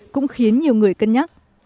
cũng khiến nhiều người cân nhắc